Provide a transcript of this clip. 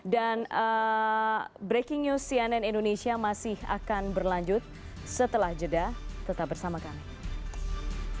dan breaking news cnn indonesia masih akan berlanjut setelah jeda tetap bersama kami